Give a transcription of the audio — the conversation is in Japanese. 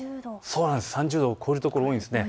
３０度を超える所が多いんです。